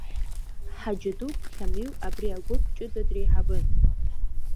Ҳаџьыдук Қьамил, абри агәыԥ ҷыда дреиҳабын.